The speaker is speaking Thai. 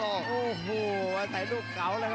โอ้โหรียองเกมส์